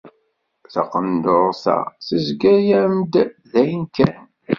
Taqendurt-a tezga-yam-d dayen kan!